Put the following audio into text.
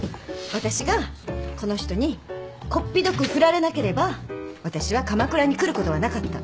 私がこの人にこっぴどく振られなければ私は鎌倉に来ることはなかった。